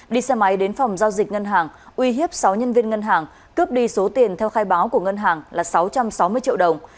đi xe máy đến phòng giao dịch ngân hàng uy hiếp sáu nhân viên ngân hàng cướp đi số tiền theo khai báo của ngân hàng là sáu trăm sáu mươi triệu đồng